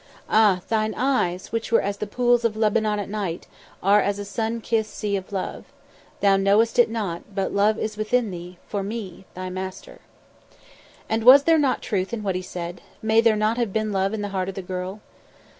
Ah! thine eyes, which were as the pools of Lebanon at night, are as a sun kissed sea of love. Thou know'st it not, but love is within thee for me, thy master." And was there not truth in what he said? May there not have been love in the heart of the girl?